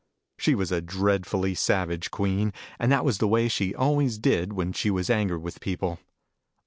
43 She was a dreadfully savage Queen, and that was the way she always did, when she was angry with people.